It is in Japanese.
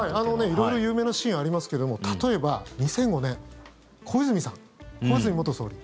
色々有名なシーンありますけども例えば２００５年小泉さん、小泉元総理。